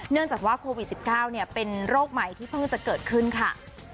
จากว่าโควิด๑๙เป็นโรคใหม่ที่เพิ่งจะเกิดขึ้นค่ะ